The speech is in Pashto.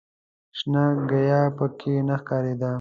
شنه ګیاه په کې نه ښکارېده.